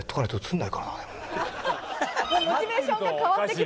モチベーションが変わってきた。